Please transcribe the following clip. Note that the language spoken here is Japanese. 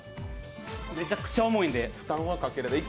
めちゃくちゃ重いんで負担はかけられない。